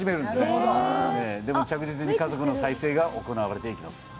でも、着実に家族の再生が行われていきます。